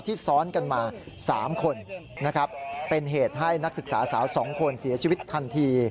ซ้อนกันมา๓คนนะครับเป็นเหตุให้นักศึกษาสาว๒คนเสียชีวิตทันที